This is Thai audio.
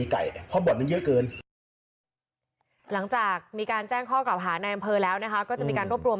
ก็จะมีการรวบรวม